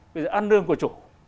bây giờ ăn đường của chủ